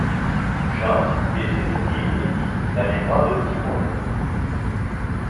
Chance essaie d'oublier Eddie dans les bras de T-Money.